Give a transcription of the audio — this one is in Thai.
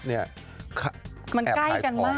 มันใกล้กันมากไงพี่ป้อน